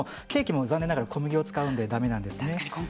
ケーキも残念ながら小麦を使うんでだめなんですね。